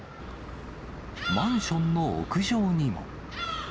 マンションの屋上にも。